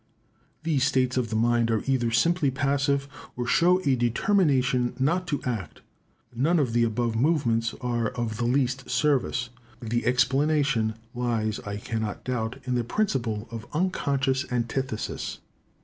These states of the mind are either simply passive, or show a determination not to act. None of the above movements are of the least service. The explanation lies, I cannot doubt, in the principle of unconscious antithesis.